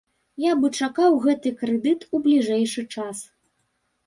Я бы чакаў гэты крэдыт у бліжэйшы час.